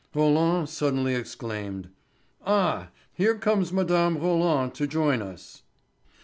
Roland suddenly exclaimed: "Ah, here comes Mme. Roland to join us."